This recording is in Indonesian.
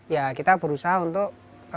ya kita berusaha untuk